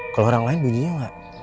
kalau orang lain bunyinya enggak